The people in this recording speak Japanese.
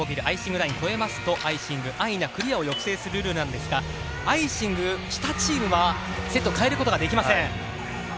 アイシングラインを越えますとアイシング、安易なクリアを抑制するルールなんですが、アイシングしたチームはセットを変えることができません。